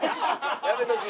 やめとき。